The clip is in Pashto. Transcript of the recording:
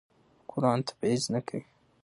قرآن تبعیض نه کوي.